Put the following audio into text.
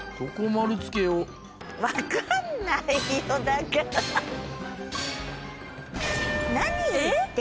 分かんないよ、だから！え？